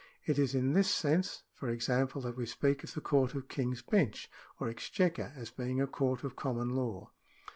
^ It is in this sense, for example, that we speak of the Court of King's Bench or Exchequer as being a court of common law.